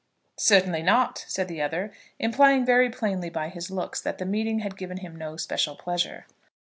"Certainly not," said the other, implying very plainly by his looks that the meeting had given him no special pleasure.